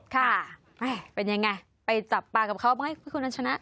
ค่ะเป็นยังไงไปจับปลากับเขาบ้างไงคุณนัชนะ